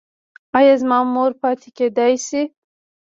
ایا زما مور پاتې کیدی شي؟